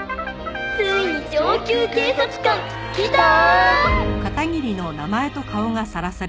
「ついに上級警察官きたー！」